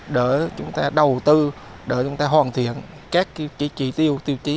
để chúng ta đầu tư để chúng ta hoàn thiện các trị tiêu tiêu chí